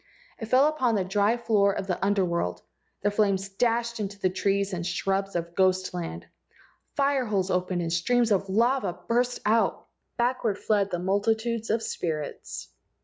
It fell upon the dry floor of the Under world. The flames dashed into the trees and the shrubs of ghost land. Fire holes opened and streams of lava burst out. Backward fled the multitudes of spirits.